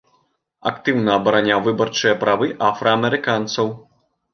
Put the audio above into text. Актыўна абараняў выбарчыя правы афраамерыканцаў.